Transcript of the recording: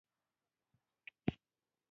ډګروال وویل دا شیدې او کلچې ستا لپاره دي